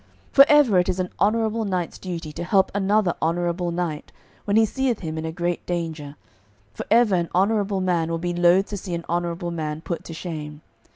For ever it is an honourable knight's duty to help another honourable knight when he seeth him in a great danger, for ever an honourable man will be loath to see an honourable man put to shame.